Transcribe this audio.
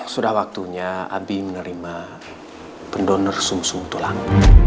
sudah waktunya abi menerima pendonor sum sum tulang